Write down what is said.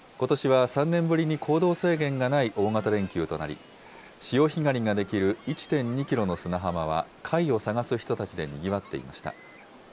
ことしは３年ぶりに行動制限がない大型連休となり、潮干狩りができる１．２キロの砂浜は、貝を探す人たちでにぎわっていました。